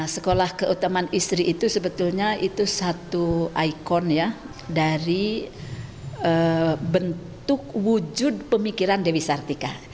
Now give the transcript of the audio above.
sekolah keutamaan istri itu sebetulnya itu satu ikon ya dari bentuk wujud pemikiran dewi sartika